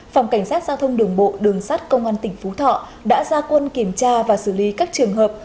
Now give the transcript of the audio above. phòng cảnh sát giao thông đường bộ đường sát công an tỉnh phú thọ đã ra quân kiểm tra và xử lý các trường hợp